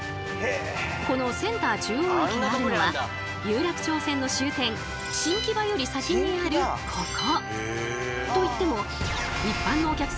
このセンター中央駅があるのは有楽町線の終点新木場より先にあるここ。